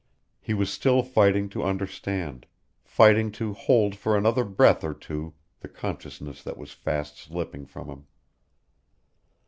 He was still fighting to understand, fighting to hold for another breath or two the consciousness that was fast slipping from him.